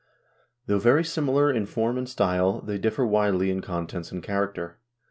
Though very similar in form and style, they differ widely in contents and character.